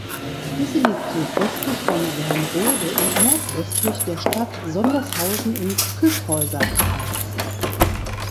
Diese liegt südwestlich von Wernrode und nordwestlich der Stadt Sondershausen im Kyffhäuserkreis.